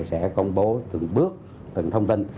sẽ công bố từng bước từng thông tin